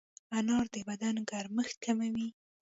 انار د بدن ګرمښت کموي.